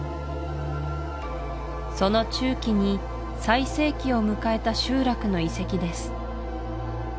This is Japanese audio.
その中期に最盛期を迎えた集落の遺跡です